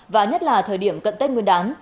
và nhất là thời điểm cận tết nguyên đán